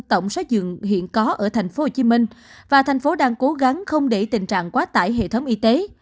tổng số dựng hiện có ở tp hcm và thành phố đang cố gắng không để tình trạng quá tải hệ thống y tế